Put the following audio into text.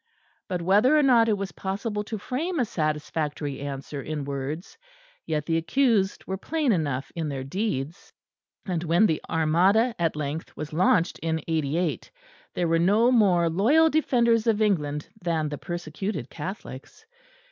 But whether or not it was possible to frame a satisfactory answer in words, yet the accused were plain enough in their deeds; and when the Armada at length was launched in '88, there were no more loyal defenders of England than the persecuted Catholics.